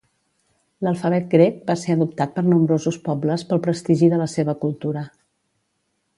L'alfabet grec va ser adoptat per nombrosos pobles pel prestigi de la seva cultura.